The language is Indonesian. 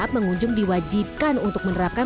mengunjung diwajibkan untuk menerapkan